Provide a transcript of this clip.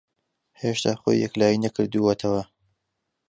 ھێشتا خۆی یەکلایی نەکردووەتەوە.